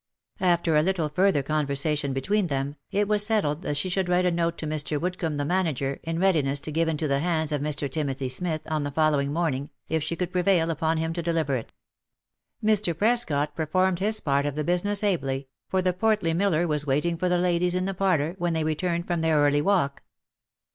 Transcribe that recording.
After a little further con versation between them, it was settled that she should write a note to Mr. Woodcomb, the manager, in readiness to give into the hands of Mr. Timothy Smith on the following morning, if she could prevail upon him to deliver it. Mr. Prescot performed his part of the business ably, for the portly miller was waiting for the ladies in the parlour when they returned from their early walk.